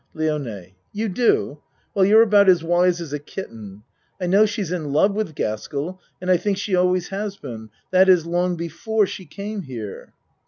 LIONE You do? Well, you're about as wise as a kitten. I know she's in love with Gaskell and I think she always has been that is long before she came here.